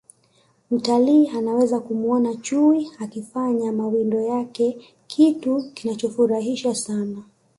mtalii anaweza kumuona chui akifanya mawindo yake kitu kinachofurahisha sana